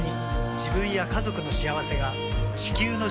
自分や家族の幸せが地球の幸せにつながっている。